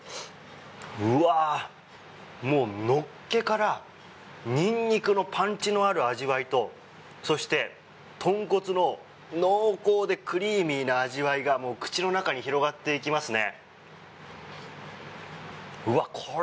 うわあ、もうのっけからニンニクのパンチのある味わいとそして、豚骨の濃厚でクリーミーな味わいが口の中に広がっていきますね。